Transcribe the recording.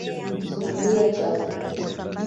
Sufuria chafu.